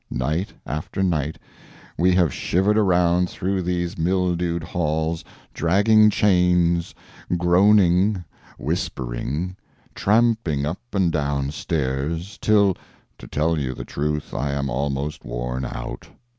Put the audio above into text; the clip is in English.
Night after night we have shivered around through these mildewed halls, dragging chains, groaning, whispering, tramping up and down stairs, till, to tell you the truth, I am almost worn out.